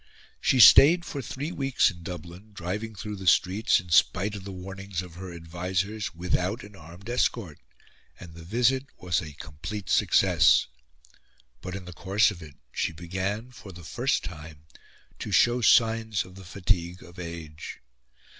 She stayed for three weeks in Dublin, driving through the streets, in spite of the warnings of her advisers, without an armed escort; and the visit was a complete success. But, in the course of it, she began, for the first time, to show signs of the fatigue of age.